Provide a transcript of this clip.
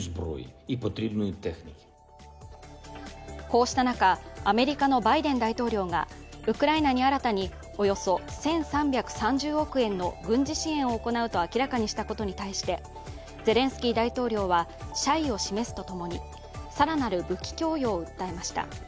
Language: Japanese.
こうした中、アメリカのバイデン大統領がウクライナに新たにおよそ１３３０億円の軍事支援を行うと明らかにしたことに対してゼレンスキー大統領は謝意を示すとともに更なる武器供与を訴えました。